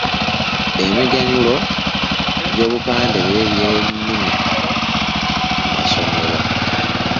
Emiganyulwo gy’obupande bwe by’ebyennimu mu masomero.